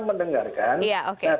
mendengarkan oke oke